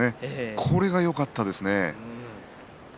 これがよかったです。